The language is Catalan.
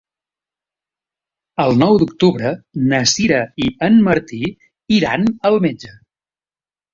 El nou d'octubre na Sira i en Martí iran al metge.